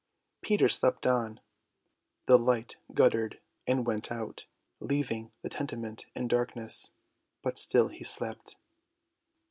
Peter slept on. The light guttered and went out, leaving the tenement in darkness; but still he slept.